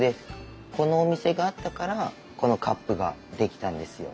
このお店があったからこのカップが出来たんですよ。